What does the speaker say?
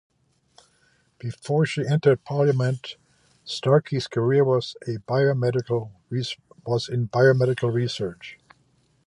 Before she entered Parliament, Starkey's career was in biomedical research.